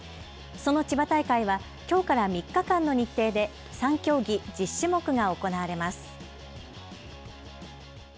その千葉大会はきょうから３日間の日程で３競技、１０種目が行われます。